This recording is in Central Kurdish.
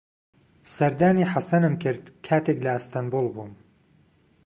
سەردانی حەسەنم کرد کاتێک لە ئەستەنبوڵ بووم.